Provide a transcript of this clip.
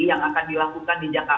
yang akan dilakukan di jakarta